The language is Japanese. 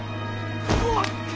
うわっ！